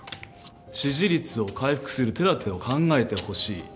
支持率を回復する手だてを考えてほしい。